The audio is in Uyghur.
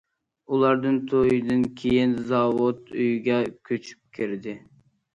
ئۇلاردىن تويدىن كېيىن زاۋۇت ئۆيىگە كۆچۈپ كىردى.